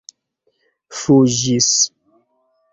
fuŝis